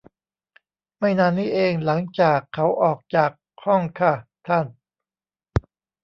ไม่นานนี้เองหลังจากเขาออกจากห้องค่ะ ท่าน